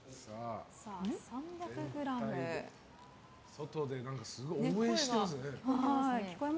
外ですごい応援してますよ。